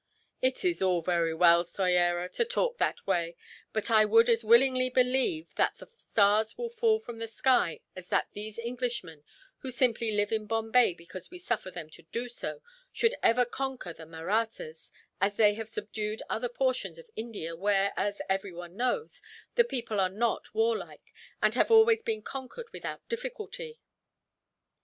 "It is all very well, Soyera, to talk that way; but I would as willingly believe that the stars will fall from the sky as that these Englishmen, who simply live in Bombay because we suffer them to do so, should ever conquer the Mahrattas, as they have subdued other portions of India where, as everyone knows, the people are not warlike, and have always been conquered without difficulty.